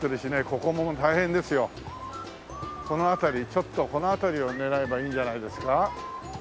この辺りちょっとこの辺りを狙えばいいんじゃないですか？